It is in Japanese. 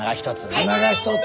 鼻が１つ。